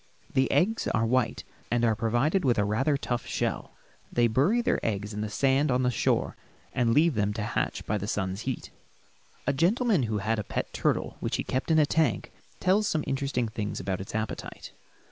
The eggs are white and are provided with a rather tough shell. They bury their eggs in sand on the shore and leave them to hatch by the sun's heat. A gentleman who had a pet turtle which he kept in a tank tells some interesting things about its appetite.